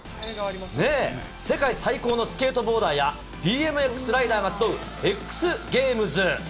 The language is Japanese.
世界最高のスケートボーダーや、ＢＭＸライダーが集う、ＸＧａｍｅｓ。